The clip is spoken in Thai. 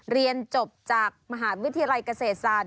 เรียนจบจากมหาวิทยาลัยเกษตรศาสต